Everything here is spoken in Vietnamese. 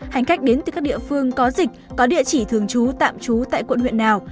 hành khách đến từ các địa phương có dịch có địa chỉ thường trú tạm trú tại quận huyện nào